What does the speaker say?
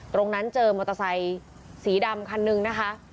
ตรงนั้นเจอมอเตอร์ไซค์สีดำคันนึงนะคะ